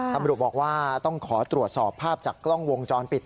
ตำรวจบอกว่าต้องขอตรวจสอบภาพจากกล้องวงจรปิด